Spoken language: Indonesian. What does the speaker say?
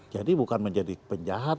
jadi bukan menjadi penjahat